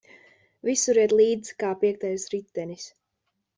Visur iet līdz kā piektais ritenis.